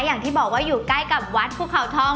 อย่างที่บอกว่าอยู่ใกล้กับวัดภูเขาทอง